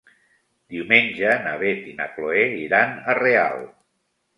Diumenge na Beth i na Chloé iran a Real.